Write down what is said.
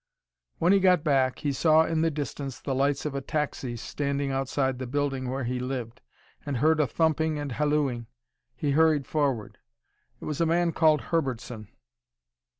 When he got back, he saw in the distance the lights of a taxi standing outside the building where he lived, and heard a thumping and hallooing. He hurried forward. It was a man called Herbertson.